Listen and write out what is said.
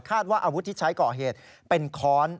ว่าอาวุธที่ใช้ก่อเหตุเป็นค้อน